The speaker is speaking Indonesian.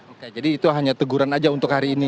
oke jadi itu hanya teguran aja untuk hari ini